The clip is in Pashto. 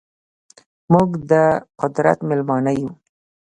موږ ده قدرت میلمانه یو